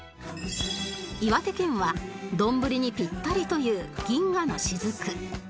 岩手県はどんぶりにピッタリという銀河のしずく